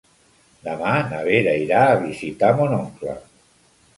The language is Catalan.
Demà na Vera irà a visitar mon oncle.